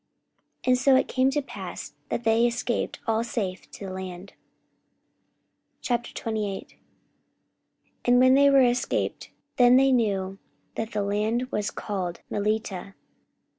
And so it came to pass, that they escaped all safe to land. 44:028:001 And when they were escaped, then they knew that the island was called Melita.